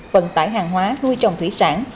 vận tải hàng hóa nuôi trồng thủy sản